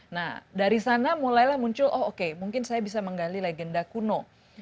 nah dari sana mulailah muncul oh oke mungkin saya bisa menggali legenda kuno